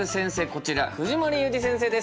こちら藤森裕治先生です。